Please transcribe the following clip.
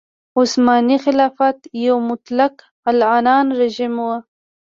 عثماني خلافت یو مطلق العنان رژیم و.